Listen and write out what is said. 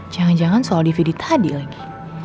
jangan jangan soal dvd tadi lagi